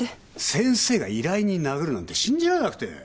先生が依頼人殴るなんて信じられなくて。